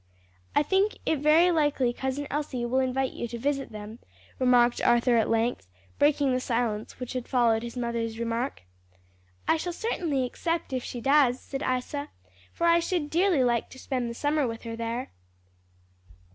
"I think it very likely Cousin Elsie will invite you to visit them," remarked Arthur at length, breaking the silence which had followed his mother's remark. "I shall certainly accept if she does," said Isa; "for I should dearly like to spend the summer with her there."